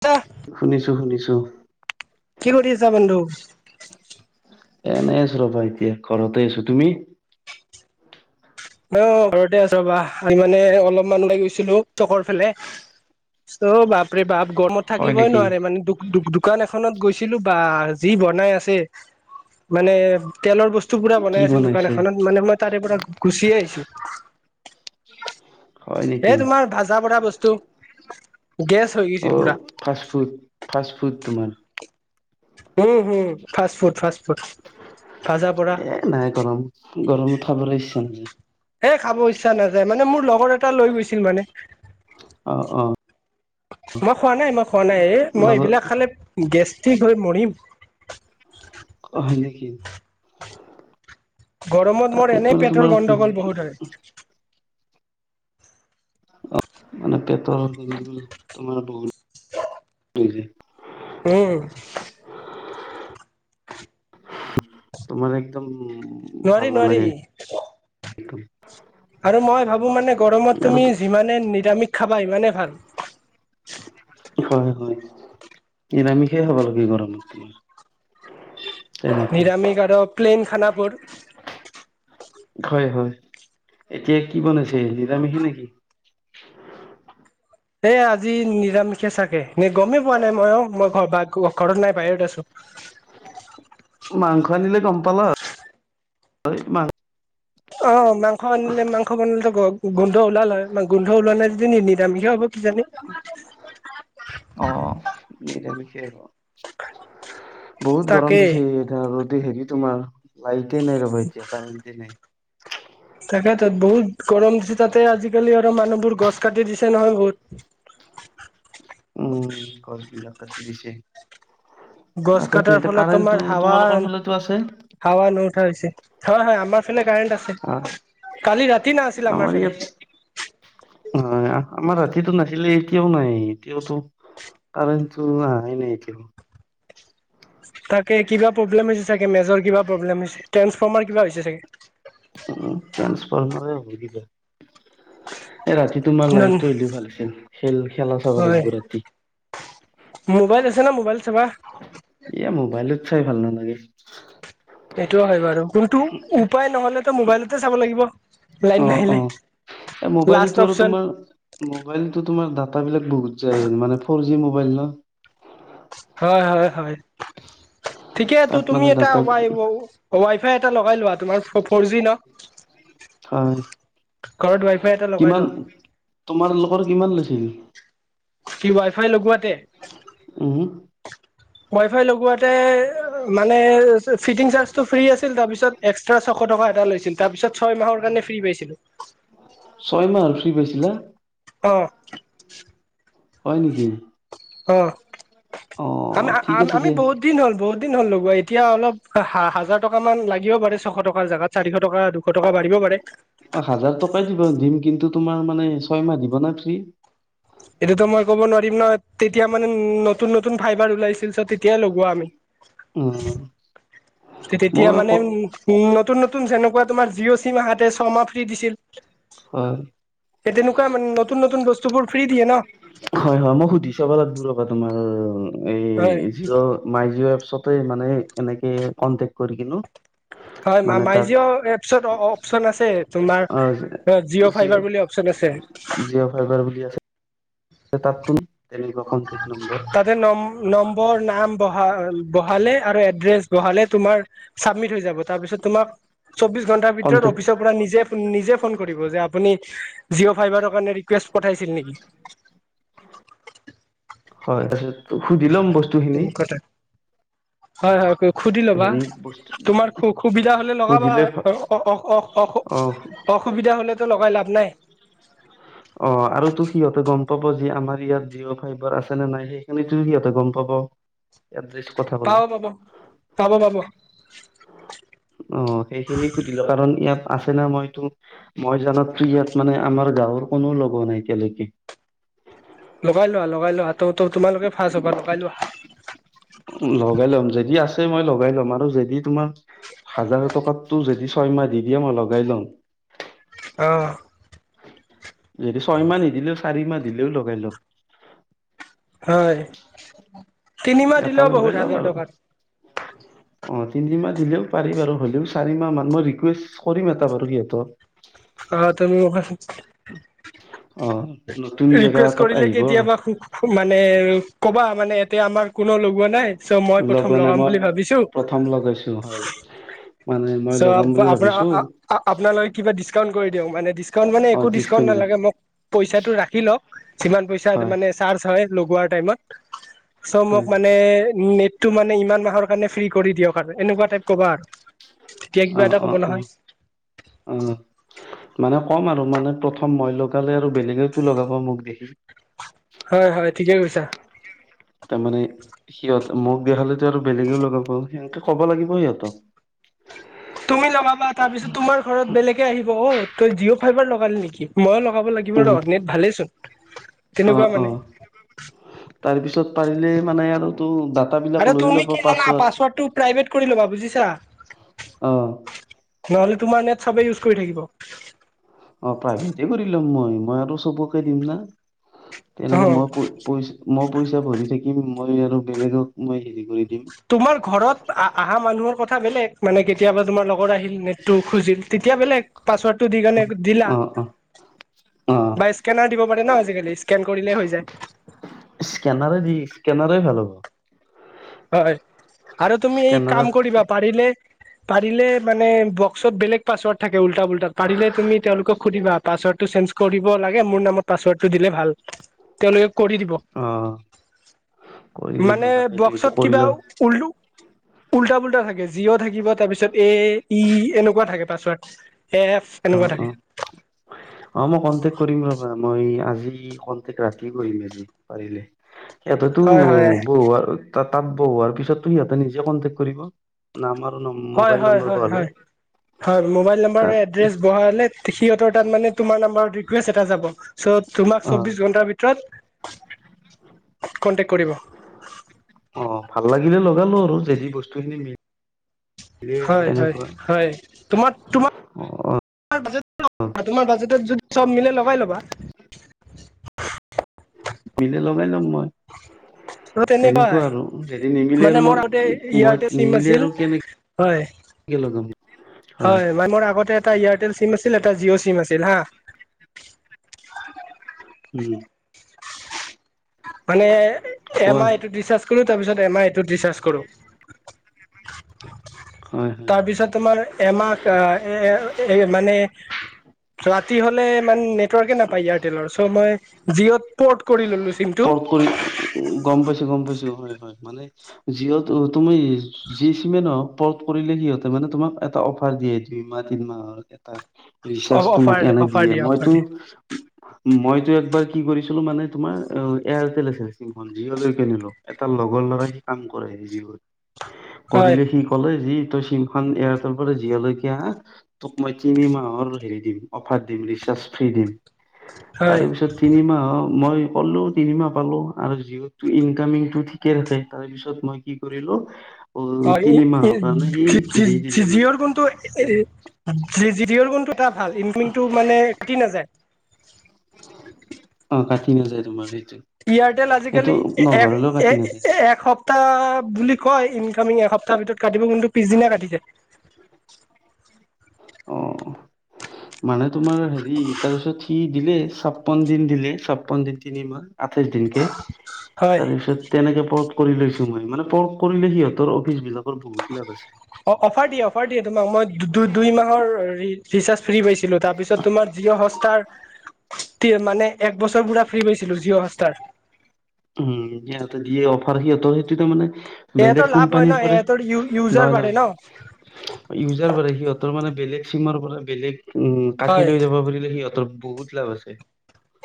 ক শুনিছো শুনিছো কি কৰি আছা বন্ধু এনে আছো ৰবা এতিয়া ঘৰতে আছো তুমি অ ঘৰতে আছ ৰবা আমি মানে অলপমান ওলাই গৈছিলো চখৰ ফালে ত' বাপৰে বাপ গৰমত হয় থাকিবই নেকি নোৱাৰে মানে দুখ দুখ দুখ দোকান এখনত গৈছিলো বা যি বনাই আছে মানে তেলৰ বস্তু থুপুৰা কি বনাই আছিল দোকান বনাইছে এখনত মানে মই তাৰে পৰা গুচিয়ে আহিছো হয় এ নেকি তোমাৰ ভাজা বৰা বস্তু গেছ হৈ অ গৈছিল পুৰা ফাষ্ট ফুড ফা্ষ্ট ফুড তো উম উম ফাষ্ট ফুড ফাষ্ট ফুড ভাজা পৰা এ নাই গৰম গৰম উঠাবলৈ ইচ্ছা নাযায় হে খাব ইচ্ছা নাযায় মানে মোৰ লগৰ এটা লৈ গৈছিল মানে অ অ মই খোৱা নাই মই খোৱা নাই এ মই লগত এইবিলাক খালে গেষ্টিক হৈ মৰিম হয় হয় নেকি গৰমত মোৰ তাকে এনেই মানে তোমাৰ পেটৰ গণ্ডগোল বহুত হয় মানে পেতৰ গ তোমাৰ বহত উম তোমাৰ একদম নোৱাৰি ভাল নোৱাৰি নালাগে একদম আৰু মই ভাবো মানে গৰমত আৰু তুমি তো- যিমানে নিৰামিষ খাবা সিমানে ভাল হয় হয় নিৰামিষ এ খাব লাগে গৰমত তেনেকে নিৰামিষ আৰু প্লেইন খানাবোৰ হয় হয় এতিয়া কি বনাইছে নিৰামিষ নেকি এ আজি নিৰামিষে চাগে নে গমেই পোৱা নাই মই অ মই ঘ ঘৰত নাই বাহিৰত আছো [unintelligible] মাংস আনিলে গম পালা আৰু। অ' মাংস আনিলে মাংস বনালেতো গ গোন্ধ ওলাল হয়। গোন্ধ ওলোৱা নাই যদি নি নিৰামিষ এ হ'ব কিজানি অ' অ নিৰামিষ এ হ'ব। বহুত গৰম তাকেই দিছে এ, ৰ'দে হেৰি তোমাৰ লাইট এ নাই ৰবা এতিয়া কাৰেণ্টে নাই। তাকেতো তাত বহুত গৰম দিছে তাতে আজিকালি আৰু মানুহবোৰ গছ কাটি দিছে নহয় বহুত। উম' গছবিলাক কাতি দিছে। গছ আকৌ ত' কটাৰ এতিয়া ফলত তোমাৰ কাৰেণ্টটো তোমালোকৰ হাৱা ফালেটো আছে। হাৱা নু উঠা হৈছে হয় হয় আমাৰ ফালে কাৰেণ্ট আহ আছে কালি ৰাতি নাছিল আমাৰ ফালে হয়। আমাৰ ৰাতিটো নাছিলে এতিয়াও নাই। এতিয়াওতো, কাৰেন্টটো আহাই নাই এতিয়াও তাকে, কিবা প্ৰব্লেম হৈছে চাগে। মেজৰ কিবা প্ৰব্লেম হৈছে ট্ৰেঞ্চফৰ্মাৰ কিবা হৈছে চাগৈ। উম ট্ৰেঞ্চফৰ্মাৰে হব কিবা এ ৰাতি তোমাৰ লাইটটো আহিলেহে ভাল আছিল। খেল খেলা চাব হয় লাগিব ৰাতি। মোবাইল আছে না, মোবাইলত চাবা। এয়া, মোবাইলত চাই ভাল নালাগে। সেইটোও হয় বাৰু, কোনটো উপায় নহলে তো মোবাইলতে চাব লাগিব অ লাইন নাহিলে। অ এ, লাষ্ট মোবাইলতো আৰু অপচন তোমাৰ মোবাইলতো তোমাৰ ডাটা বিলাক বহুত যায় মানে ফ'ৰ জি মোবাইল ন, হয় হয় হয় ঠিকেইতো তাত তুমি মানে এটা ডাটা ৱাইবহম ৱাইফাই এটা লগাই লোৱা। তোমাৰ ফৰ জি ন, হয় ঘৰত ৱাইফাই এটা লগাই কিমান লোৱা। তোমাৰ লোকৰ কিমান লৈছিল। কি ৱাই ফাই লগোৱাতে। ওহো ৱাইফাই লগোৱাতে মানে ফিটিং চাৰ্জটো ফ্ৰী আছিল তাৰপিছত, এক্সট্ৰা ছশ টকা এটা লৈছিল তাৰ পিছত ছয় মাহৰ কাৰণে ফ্ৰী পাইছিলো। ছয় মাহ আৰু ফ্ৰী পাইছিলা? অঁ। হয় নেকি? অ' অ আম ঠিক আম আছে আমি দিয়া বহুত, বহুত অ দিন হ'ল বহুত দিন হ'ল লগোৱা। এতিয়া অলপ হা হাজাৰ টকা মান লাগিব পাৰে ছশ টকাৰ জাগাত। চাৰিশ টকা দুশ টকা বাঢ়িব পাৰে। অ' হাজাৰ টকাই দিব দিম, কিন্তু তোমাৰ মানে ছয়মাহ দিব না ফ্ৰী? এইটোটো মই ক'ব নোৱাৰিম নহয়, তেতিয়া মানে নতুন নতুন ফাইবাৰ ওলাইছিল চ' তেতিয়াই লগোৱা আমি। উম। তেতিয়া মানে উম' নতুন নতুন যেনেকুৱা তোমাৰ জিঅ' চিম আহাতে ছমাহ ফ্ৰী দিছিল। হয়। সেই তেনকুৱা মানে নতুন নতুন বস্তু বোৰ ফ্ৰী দিয়ে ন। হয় হয় মই সুধি চাব লাগব ৰবা, তোমাৰ এই হয় জিঅ- মাই জিঅ' এপছতে মানে এনেকে কনটেক্ট কৰি কিনো। হয়। মা মানে তাক মাইজিঅ' এপছত অ অপচন আছে। তোমাৰ অ জিঅ' ফাইভাৰ বুলি অপশচন আছে। জিঅ' ফাইবাৰ বুলি আছে, তাত তুন থাকিব কনটেক্ট নম্বৰ। তাতে নম নম্বৰ নাম বহা বহালে আৰু এড্ৰেছ বহালে তোমাৰ, চাবমিট হৈ যাব তাৰপিছত তোমাক চৌবিশ ঘন্টাৰ ভিতৰত কন্টেক্ট অফিচৰ পৰা নিজে নিজে ফোন কৰিব যে আপুনি জিঅ' ফাইভাৰৰ কাৰণে, ৰিকুৱেষ্ট পঠাইছিল নেকি। হয় তাৰপিছত সুধি লম বস্তুখিনি। হয় হয়। সুধি লবা হেৰি বস্তু তোমাৰ সু সুবিধা হলে লগাবা সুধিলে অ অ অ অ অসুবিধা হ'লেতো লগাই লাভ নাই। অ আৰু তোৰ সিহঁতে গম পাব যি আমাৰ ইয়াত জিঅ' ফাইভাৰ আছে নে নাই সেইখিনি ত সিহঁতে গম পাব। এটলিষ্ট কথা ক'লে পাব পাব পাব পাব। অ' সেইখিনি সুধিলো কাৰণ ইয়াত আছে না মইটো মই জানাত টো ইয়াত মানে আমাৰ গাঁৱৰ কোনো লগোৱা নাই এতিয়ালৈকে। লগাই লোৱা লগাই লোৱা ত ত তোমালোকে ফাৰ্ষ্ট হ'বা লগাই লোৱা। লগাই ল'ম যদি আছে মই লগাই ল'ম আৰু যদি তোমাৰ হাজাৰ টকাতো যদি ছয়মাহ দি দিয়ে মই লগাই লম। অঁ। যদি ছয় মাহ নিদিলেও চাৰি মাহ দিলেওঁ লগাই লম। হয় তিনিমাহ এটা দিলেওঁ লগাই বহুত লওক হাজাৰ আৰু টকাত। অ তিনিমাহ দিলেওঁ পাৰি বাৰু, হ'লেও চাৰিমাহ মান মই ৰিকুৱেষ্ট কৰিম এটা বাৰু সিহঁতৰ। অ [unintelligible] অ নতুন জেগা ৰিকুৱেষ্ট এটাত কৰিলে আহিব কেতিয়াবা সুখ মানে ক'বা মানে এতিয়া আমাৰ কোনো লগোৱা নাই চ মই প্ৰথম লগোৱা নাই লগাম মই বুলি ভাবিছোঁ চ প্ৰথম লগাইছো হয় মানে মই লগাম বুলি আপোনাৰ আ ভাবিছো আ আপোনালৈ কিবা ডিছকাউণ্ট কৰি দিয়ক মানে ডিছকাউণ্ট মানে অ একো ডিছকাউণ্ট ডিচকাউণ্ট দিম নালাগে মোক পইচাটো ৰাখি লওক যিমান পইচা হয় মানে চাৰ্জ হয় লগোৱাৰ টাইমত চ' হয় মোক মানে নেটটো মানে ইমান মাহৰ কাৰণে ফ্ৰী কৰি দিয়ক আৰু এনেকুৱা টাইপ কবা আৰু। তেতিয়া কিবা অঁ এটা ক'ব অঁ অঁ'। নহয় মানে ক'ম আৰু মানে প্ৰথম মই লগালে আৰু বেলেগেও টো লগাব মোক দেখি। হয় হয়, ঠিকে কৈছা। তাৰমানে সিহঁত মোক দেখালেতো আৰু বেলেগেও লগাব সেনেকে ক'ব লাগিব সিহঁতক। তুমি লগাবা তাৰ পিছত তোমাৰ ঘৰত বেলেগে আহিব তই জিঅ' ফাইভাৰ লগালি নেকি ময়ো লগ- লগাব লাগিব ৰ নেত ভালেই চোন। অঁ অঁ তাৰপিছত পাৰিলে মানে আৰু- টো ডাটা বিলাক আৰু লৈ তুমি ল'ব কি জানা পাছত। পাছৱৰ্ডটো প্ৰাইভেট কৰি ল'বা বুজিছা। অঁ' নহ'লে তোমাৰ নেট চবে ইউজ কৰি থাকিব। অঁ প্ৰাইভেটে কৰি ল'ম মই, মই আৰু চবকে দিম না, তেনেকে মই প- পইচা মই পইচা ভৰি থাকিম মই আৰু বেলেগক মই হেৰি কৰি দিম। তোমাৰ ঘৰত আহা মানুহৰ কথা বেলেগ মানে কেতিয়াবা তোমাৰ লগৰ আহিল নেটটো খুজিল। তেতিয়া বেলেগ পাছৱৰৰ্ডটো দিকেনে দিলা। অ', অ', অ', বা স্কেনাৰ দিব পাৰে ন আজিকালি স্কেন কৰিলেই হৈ যায়। স্কেনাৰে দি স্কেনাৰে ভাল হ'ব। হয়, আৰু তুমি এই স্কেনাৰত কাম কৰিবা পাৰিলে- পাৰিলে মানে বক্সত বেলেগ পাছৱৰ্ড থাকে উল্টা পুল্তা পাৰিলে তুমি তেওঁলোকক সুধিবা পাছৱৰ্ডটো চেঞ্জ- কৰিব লাগে মোৰ নামত পাচৱৰ্ডটো দিলে ভাল। তেওঁলোকে কৰি দিব অ', কৰি দিব মানে তাকেইটো এইটো বক্সত কৰি ল কিবাও উলো- উল্টা পুল্টা থাকে জিঅ' থাকিব তাৰপিছত এ ই এনেকুৱা থাকে পাছৱৰ্ড এফ- এনেকুৱা অঁ অঁ। [inaudible] অঁ মই কনটেক কৰিম ৰবা মই আজি কণ্টেক ৰাতি কৰিম আজি পাৰিলে। এইটোটো হয় হয় বহুৱাৰ তাত তাত বহুৱা'ৰ পিছতটো ইয়াতে নিজে কন্টেক কৰিব। নাম আৰু নম- হয় মোবাইল হয় নম্বৰ হয় পালে হয় হয়, মোবাইল নম্বাৰ তাত এড্ৰেছ ভৱা হ'লে। সিহঁতৰ তাত মানে তোমাৰ নাম্বাৰত ৰিকুৱেষ্ট এটা যাব চ' তোমাক অ চৌবিশ ঘন্টাৰ ভিতৰত- কন্টেক্ট কৰিব। অঁ ভাল লাগিলে লগালো আৰু যেদি বস্তু খিনি মিল- হয় হয় হয়, তোমাত তোমাৰ অ বাজেতত তোমাৰ বাজেটত যদি- চব মিলাই লগাই ল'বা। মিলে লগাই ল'ম মই। [inaudible] ত' তেনেকুৱা তেনেকুৱাই আৰু যদি নিমিলে আৰু মানে মই মোৰ আগতে মই ইয়াৰতেল চিম নিমিলে আছিল। আৰু কেনেকে হয়, লগাম হয়, মানে মোৰ আগতে- এটা এয়াৰটেল চিম আছিল এটা জিঅ' চিম আছিল হাঁ। উম' মানে কোৱা এমাহ এইটোত ৰিচাৰ্জ কৰো তাৰপিছত এমাহ এইটোত ৰিচাৰ্জ কৰো। হয় হয় তাৰপিছত তোমাৰ- এমাহ এ এ মানে ৰাতি হলে ইমান নেট- টৱকে নাপায় ইয়াৰতেলৰ চ' ময় জিঅ'ত পৌট কৰি ললো চিম- পৰ্ট গম পাইছো, গম পাইছো, হয় হয়, মানে- জিঅ'টো তুমি জি চিমে নহক- ওপৰত কৰিলে সিহঁতে মানে তোমাক এটা অফাৰ দিয়ে দুই মাহ তিনিমাহৰ এটা। ৰিচাৰ্জ তো অফাৰ এনে অফাৰ দিয়ে দিয়া অফাৰ মইতো দিয়া মইতো একবাৰ কি কৰিছিলোঁ মানে তোমাৰ অহ এয়াৰটেল আছে চিম জিঅ লৈকে নিলো এটা লগৰ ল'ৰাই সি কাম কৰে জিঅত [unintelligible] কৰিলে সি কলে যি তই চিমখন এয়াৰতেল পৰা জিঅলৈকে আহ তোক মই তিনি মাহৰ হেৰি দিম অফাৰ দিম ৰিচাৰ্জ ফ্ৰী দিম। হয় তাৰে পিছত তিনিমাহ মই। পালোঁ তিনিমাহ পালোঁ আৰু জি অতো ইনকামিংটো ঠিকে থাকে তাৰ পিছত মই কি কৰিলোঁ। অহ ই দি জি দিলে মোক জিঅতো কিন্তু এই জি অ গুণটো এটা ভাল ইনকামিটো মানে তিনি কাটি। অহ কাটি নাযায় তোমাৰ সেইটো। এয়াৰটেল সেইটো আজিকালি এক নভৰালেও এ কাটি নাযায় এসপ্ত। এসপ্তাহ বুলি কয় ইনকামিং এসপ্তাহ ভিতৰত কাটিব কিন্তু পিছদিনা কাটি দিয়ে। অহ মানে তোমাৰ হেৰি তাৰপিছত সি দিলে ছাপ্পন দিন দিলে ছাপ্পন দিন তিনি মাহ। আঠাইশ দিনকে হয় তাৰপিছত। তেনেকে পৰ্ক কৰি লৈছো মই মানে পৰ্ক কৰিলে সিহঁতৰ অফিচ বিলাকৰ বহুত লাভ আছে অ অ অফাৰ দিয়ে অফাৰ দিয়ে তোমাক মই দুই‌ দুই মাহৰ ৰিচাৰ্জ। ফ্ৰী পাইছিলোঁ তাৰপিছত তোমাৰ যিয়ো সস্ত। তি মানে একবছৰ পোৰা ফ্ৰী পাইছিলোঁ জিঅ সস্তাৰ উম সিহঁতে দিয়ে অফাৰ সিহঁতৰ সেইটোতো মানে। এহঁতৰ বেলেগ লাভ হয় ন কোম্পানীৰ পৰা এহঁতৰ ইউজাৰ নহয় বাঢ়ে ন নহয়। ইউজাৰ বাঢ়ে সিহঁতৰ মানে বেলেগ চিমৰ পৰা বেলেগ। উম কাটি হয় লৈ যাব পাৰিলে সিহঁতৰ বহুত লাভ আছে।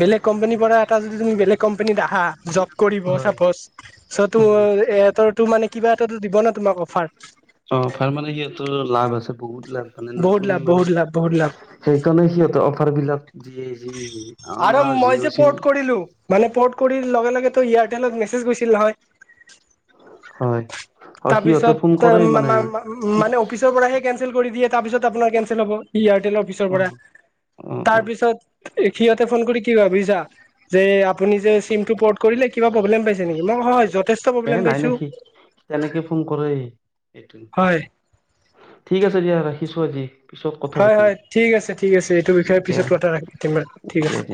বেলেগ কোম্পানীৰ পৰা এটা যদি তুমি বেলেগ কোম্পানীত আহা জৰ্ব কৰিব হয় চস্পচ চৌ তো হয়। এহঁতৰ তো মানে কিবা এটা দিব ন তোমাক অফাৰ। অহ অফাৰ মানে কি তোৰ লাভ আছে বহুত লাভ। মানে বহুত নতুন লাভ, মানে বহুত লাভ, বহুত লাভ। সেইকাৰণে সিহঁতৰ অফাৰ বিলাক দিয়ে যি আৰু আমাৰ মই জিঅ যে চিম পৰ্ট কৰিলো মানে পৰ্ট কৰি লগে লগে তো এয়াৰটেলত মেছেজ গৈছিল হয়। হয় অ সিহঁতে ফোন তাৰপিছতে কৰে মা- মানে মা- মা- মানে অফিচ। তেওঁৰ পৰা সেই কেন্সেল কৰি দিয়ে তাৰপিছত আপোনাৰ কেন্সেল হ'ব, ই এয়াৰটেল অফিচৰ অ পৰা অ অ তাৰপিছত। এ' সিহঁতে ফোন কৰি কি ভাবিছা? যে আপুনি যে চিম টো পৰ্ট কৰিলে কিবা প্ৰব্লেম পাইছে নেকি, মই হয় হয় যথেষ্ট এ প্ৰব্লেম নাই পাইছো নেকি তেনেকে ফোন কৰে এইটো। হয়', ঠিক আছে দিয়া ৰাখিছো আজি। পিছত কথা হয়', পাতিম হয়', ঠিক আছে ঠিক আছে এইটো বিষয়ে দিয়া পিছত কথা ৰাখিম ঠিক দিয়া আছে। দিয়া